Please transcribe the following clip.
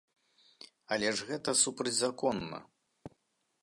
Але ж гэта супрацьзаконна!